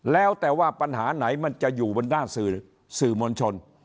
แล้วแต่ว่าปัญหาไหนมันจะอยู่บนด้านสื่อมวลชน